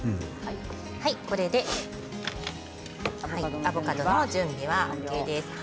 これでアボカドの準備はＯＫです。